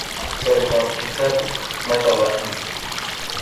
سرِقَ كتابُك ؟! متى وأين ؟